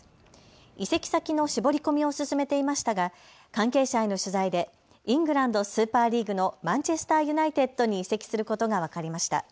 移籍先の絞り込みを進めていましたが関係者への取材でイングランドスーパーリーグのマンチェスターユナイテッドに移籍することが分かりました。